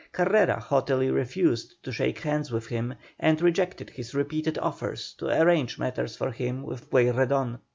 Carrera haughtily refused to shake hands with him, and rejected his repeated offers to arrange matters for him with Pueyrredon.